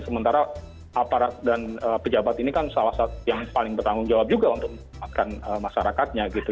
sementara aparat dan pejabat ini kan salah satu yang paling bertanggung jawab juga untuk memanfaatkan masyarakatnya gitu